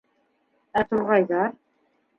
Ә турғайҙар?